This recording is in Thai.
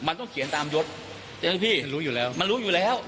มันต้องเขียนตามยศมันรู้อยู่แล้ว